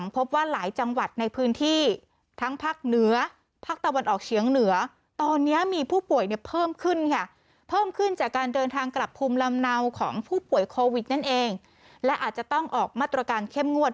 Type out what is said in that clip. ผัวโควิดนั่นเองและอาจจะต้องออกมาตรการเข้มงวด